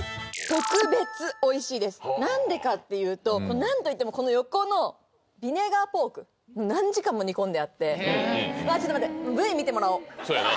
特別美味しいです何でかって言うと何と言ってもこの横のビネガーポーク何時間も煮込んであってわぁちょっと待ってそうやな